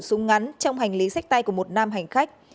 súng ngắn trong hành lý sách tay của một nam hành khách